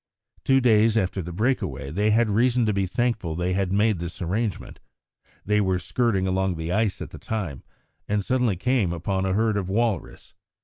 Two days after the break away they had reason to be thankful they had made this arrangement. They were skirting along the ice at the time, and suddenly came upon a herd of walrus.